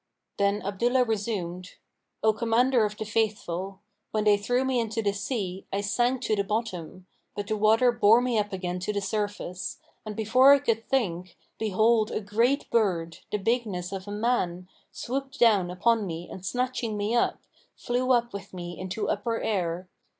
Then Abdullah resumed, "O Commander of the Faithful, when they threw me into the sea, I sank to the bottom; but the water bore me up again to the surface, and before I could think, behold a great bird, the bigness of a man, swooped down upon me and snatching me up, flew up with me into upper air.